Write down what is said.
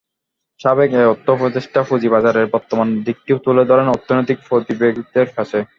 সাবেক এই অর্থ উপদেষ্টা পুঁজিবাজারের বর্তমান দিকটিও তুলে ধরেন অর্থনৈতিক প্রতিবেদকদের কাছে।